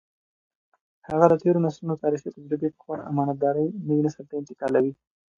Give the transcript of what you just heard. هغه د تېرو نسلونو تاریخي تجربې په خورا امانتدارۍ نوي نسل ته انتقالوي.